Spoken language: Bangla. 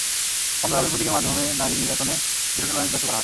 কমলা রঙের প্রতীকের মাধ্যমে নারী নির্যাতনে জিরো টলারেন্স ব্যক্ত করা হয়।